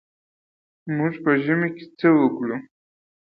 موږ په ژمي کې څه وکړو.